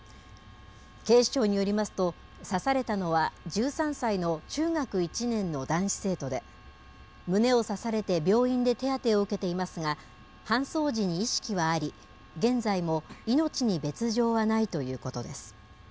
警視庁によりますと、刺されたのは１３歳の中学１年の男子生徒で、胸を刺されて病院で手当てを受けていますが、搬送時に意識はあり、現在も命に別状はないということです。